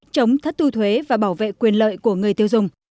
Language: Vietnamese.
chống thất tu thuế và bảo vệ quyền lợi của người tiêu dùng